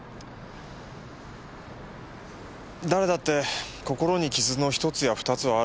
誰だって心に傷の１つや２つはある。